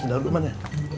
daun ke mana